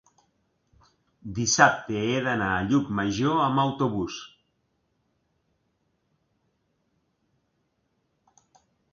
Dissabte he d'anar a Llucmajor amb autobús.